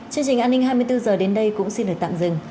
chương trình an ninh hai mươi bốn h đến đây cũng xin được tạm dừng